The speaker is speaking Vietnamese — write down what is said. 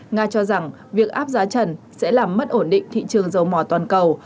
nga cho rằng việc áp giá trần sẽ làm mất ổn định thị trường dầu mò toàn cầu